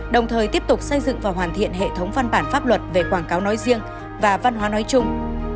đồng thời tiếp tục xây dựng và hoàn thiện hệ thống văn bản pháp luật về quảng cáo nói riêng và văn hóa nói chung